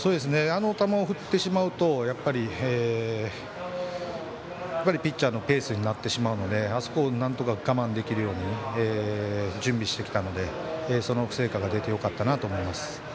あの球を振ってしまうとピッチャーのペースになってしまうのであそこを我慢できるように準備してきたのでその成果が出てよかったなと思います。